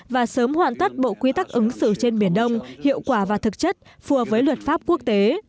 và sớm hoàn tất bộ quy tắc ứng xử trên biển đông hiệu quả và thực chất phùa với luật pháp quốc tế